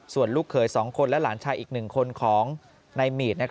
ส่วนลูกเขย๒คนและหลานชายอีก๑คนของนายหมีด